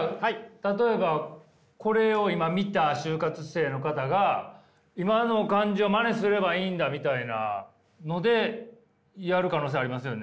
例えばこれを今見た就活生の方が今の感じをまねすればいいんだみたいなのでやる可能性ありますよね？